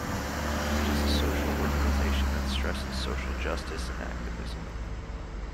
It is a social organization that stresses social justice and activism.